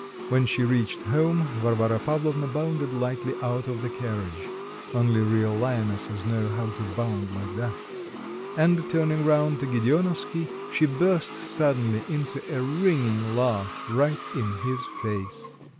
When she reached home Varvara Pavlovna bounded lightly out of the carriage only real lionesses know how to bound like that and turning round to Gedeonovsky she burst suddenly into a ringing laugh right in his face.